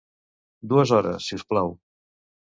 Dues hores, si us plau.